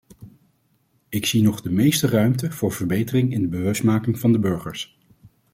Ik zie nog de meeste ruimte voor verbetering in de bewustmaking van de burgers.